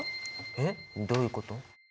えっどういうこと！？